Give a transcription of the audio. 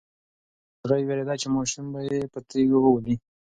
مرغۍ وېرېده چې ماشومان به یې په تیږو وولي.